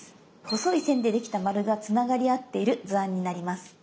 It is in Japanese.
細い線でできた丸がつながり合っている図案になります。